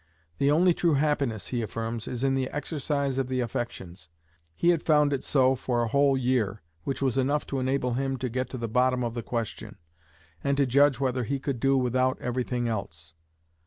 The only true happiness, he affirms, is in the exercise of the affections. He had found it so for a whole year, which was enough to enable him to get to the bottom of the question, and to judge whether he could do without everything else.